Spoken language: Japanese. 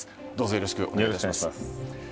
よろしくお願いします。